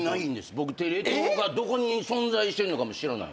僕テレ東がどこに存在してるのかも知らない。